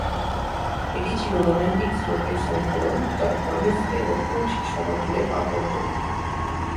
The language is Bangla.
এটি ছিল রোমান্টিক শ্লোকের সংকলন যা দামেস্কের রক্ষণশীল সমাজ জুড়ে আলোড়ন তোলে।